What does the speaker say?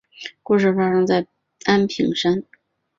故事发生在安平山。